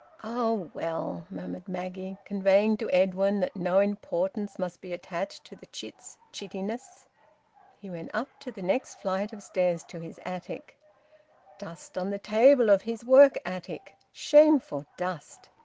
"Oh, well!" murmured Maggie, conveying to Edwin that no importance must be attached to the chit's chittishness. He went up to the next flight of stairs to his attic. Dust on the table of his work attic! Shameful dust!